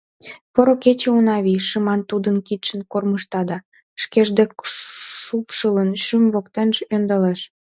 — Поро кече, Унавий! — шыман тудын кидшым кормыжта да, шкеж дек шупшылын, шӱм воктенже ӧндалеш.